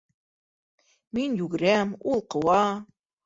Мин югерәм, ул ҡыуа.